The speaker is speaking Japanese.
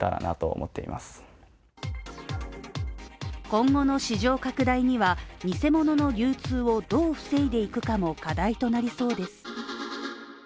今後の市場拡大には偽物の流通をどう防いでいくかも課題となりそうです。